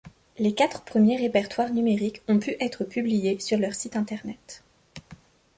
Les quatre premiers répertoires numériques ont pu être publiés sur leur site internet.